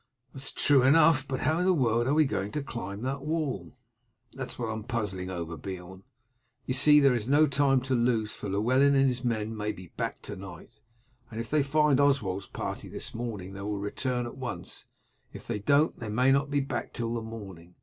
"That is true enough, but how in the world are we to climb that wall?" "That is what I am puzzling over, Beorn. You see there is no time to lose, for Llewellyn and his men may be back to night. If they find Oswald's party this morning they will return at once, if they don't they may not be back till the morning.